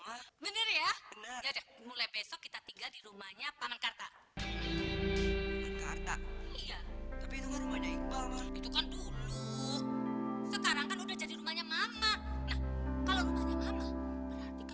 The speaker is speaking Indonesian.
orang tadi dia cuma ngajak gua bareng doang